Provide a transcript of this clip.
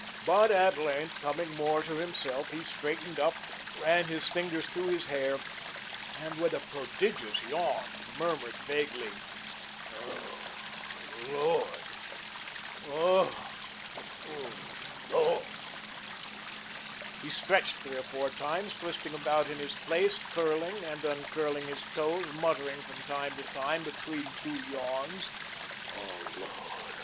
But at length, coming more to himself, he straightened up, ran his fingers through his hair, and with a prodigious yawn, murmured vaguely: "Oh, Lord! Oh h, LORD!" He stretched three or four times, twisting about in his place, curling and uncurling his toes, muttering from time to time between two yawns: "Oh, Lord!